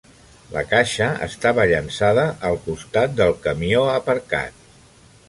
La caixa estava llençada al costat del camió aparcat.